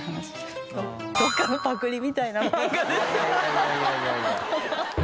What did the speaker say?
いやいやいやいや。